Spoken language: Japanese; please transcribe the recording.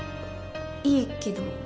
いいけど。